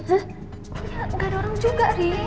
gak ada orang juga ri